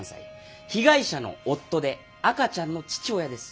被害者の夫で赤ちゃんの父親です。